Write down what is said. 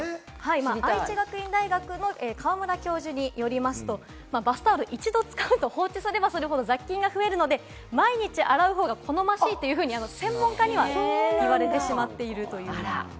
愛知学院大学の河村教授によりますと、バスタオルを一度使うと放置すればするほど雑菌が増えるので、毎日洗う方が好ましいと専門家には言われてしまっています。